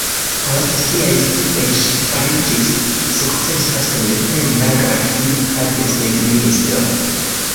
Post siaj studoj ŝi fariĝis sukcesa sendependa grafika desegnisto.